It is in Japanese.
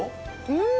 うん！